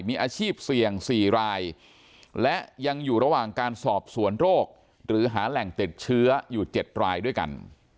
มีอาชีพเสี่ยง๔รายและยังอยู่ระหว่างการสอบสวนโรคหรือหาแหล่งติดเชื้ออยู่๗รายด้วยกัน